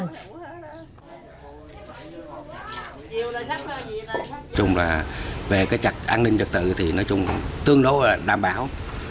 nói chung là về cái trạc an ninh trật tự thì nói chung tương đối là đảm bảo